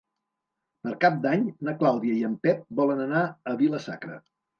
Per Cap d'Any na Clàudia i en Pep volen anar a Vila-sacra.